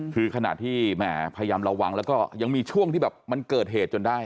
คือขณะที่แหมพยายามระวังแล้วก็ยังมีช่วงที่แบบมันเกิดเหตุจนได้